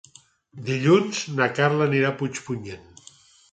Dilluns na Carla anirà a Puigpunyent.